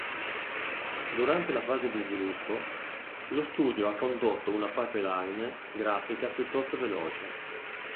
Durante la fase di sviluppo, lo studio ha condotto una pipeline grafica piuttosto veloce.